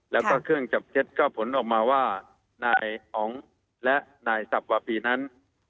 แล้วก็เครื่องจับเท็จก็ผลออกมาว่านายอ๋องและนายสับวาปีนั้น